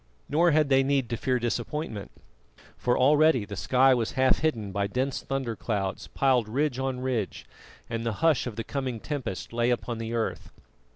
Nor had they need to fear disappointment, for already the sky was half hidden by dense thunder clouds piled ridge on ridge, and the hush of the coming tempest lay upon the earth.